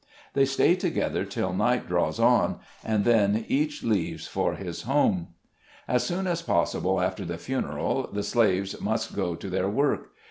They stay together till night draws on, and then each leaves for his home. As soon as possible after the funeral, the slaves must go to their work.